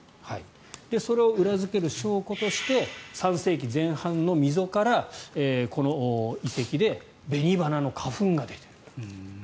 それを裏付ける証拠として３世紀前半の溝からこの遺跡でベニバナの花粉が出ている。